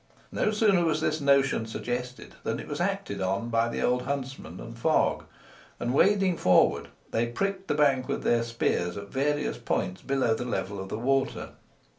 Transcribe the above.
No sooner was this notion suggested than it was acted on by the old huntsman and Fogg, and, wading forward, they pricked the bank with their spears at various points below the level of the water.